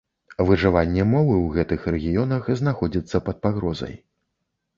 Выжыванне мовы ў гэтых рэгіёнах знаходзіцца пад пагрозай.